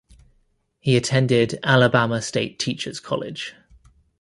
He attended Alabama State Teachers College.